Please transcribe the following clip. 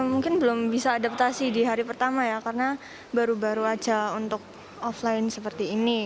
mungkin belum bisa adaptasi di hari pertama ya karena baru baru aja untuk offline seperti ini